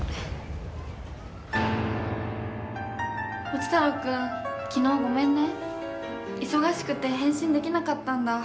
ポチ太郎君昨日ごめんね忙しくて返信できなかったんだ。